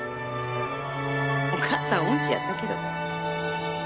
お母さん音痴やったけど。